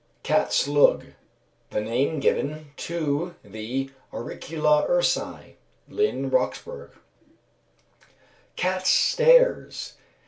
Cat's Lug. The name given to the Auricula ursi. LINN. (Roxburgh.). _Cat's Stairs.